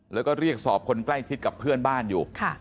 แล้วก็เรียกสอบคนใกล้ชิดกับเพื่อนบ้านอยู่